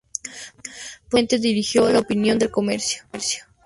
Posteriormente dirigió "La Opinión-El Comercio".